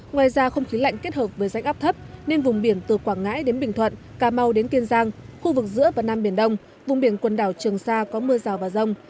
ngoài ra không khí lạnh kết hợp với rãnh áp thấp nên vùng biển từ quảng ngãi đến bình thuận cà mau đến kiên giang khu vực giữa và nam biển đông vùng biển quần đảo trường sa có mưa rào và rông